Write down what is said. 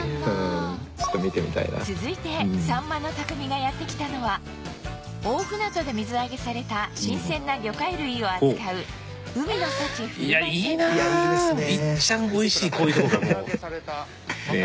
続いてさんまの匠がやって来たのは大船渡で水揚げされた新鮮な魚介類を扱う見てください。